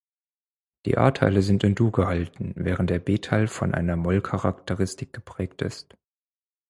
Die A-Teile sind in Dur gehalten, während der B-Teil von einer Moll-Charakteristik geprägt ist.